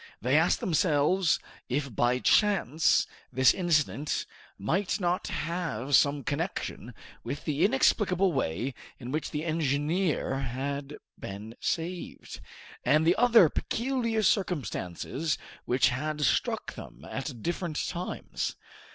They asked themselves if by chance this incident might not have some connection with the inexplicable way in which the engineer had been saved, and the other peculiar circumstances which had struck them at different times.